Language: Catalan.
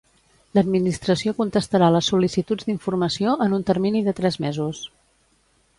L'Administració contestarà les sol·licituds d'informació en un termini de tres mesos.